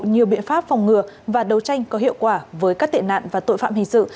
nhiều biện pháp phòng ngừa và đấu tranh có hiệu quả với các tệ nạn và tội phạm hình sự